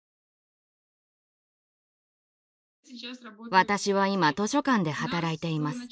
私は今図書館で働いています。